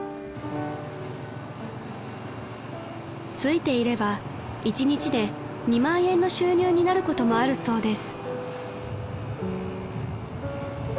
［ついていれば一日で２万円の収入になることもあるそうです］